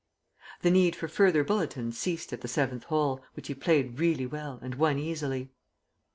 The need for further bulletins ceased at the seventh hole, which he played really well and won easily.